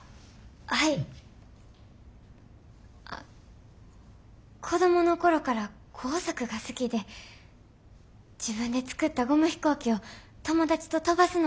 あ子供の頃から工作が好きで自分で作ったゴム飛行機を友達と飛ばすのが大好きでした。